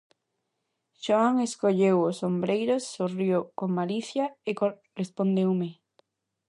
Xoán encolleu os ombreiros, sorriu con malicia e respondeume: